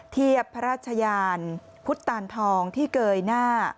เทียบพระราชยานพุทธตานทองที่เกยหน้า